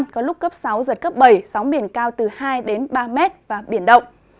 có lúc cấp sáu giật cấp bảy sóng biển cao từ hai ba mét và biển động